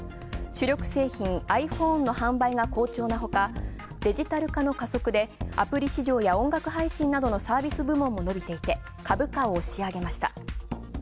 主力製品、ｉＰｈｏｎｅの販売が好調なほか、デジタル化の加速でアプリ市場や音楽配信などのサービス部門も伸びていて株価を押し上げました。